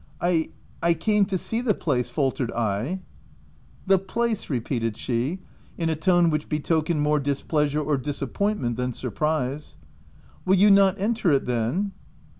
" I — I came to see the place," faltered I. u The place,'* repeated she, in a tone which betokened more displeasure or disappointment than surprise. " Will you not enter it then?"